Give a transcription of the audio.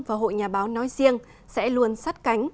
và hội nhà báo nói riêng sẽ luôn sát cánh